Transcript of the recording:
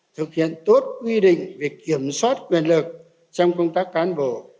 thực hiện tốt quy định về kiểm soát quyền lực trong công tác cán bộ